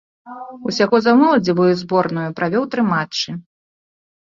Усяго за моладзевую зборную правёў тры матчы.